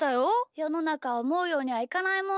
よのなかおもうようにはいかないもんさ。